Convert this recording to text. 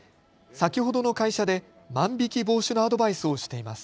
先ほどの会社で万引き防止のアドバイスをしています。